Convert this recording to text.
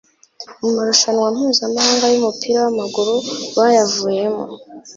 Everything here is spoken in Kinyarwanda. mu marushanwa mpuzamahanga y'umupira w'amaguru bayavuyemo